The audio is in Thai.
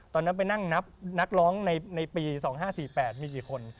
ตอนนั้นไปนั่งนับนักร้องในปี๒๕๔๘มีกี่คน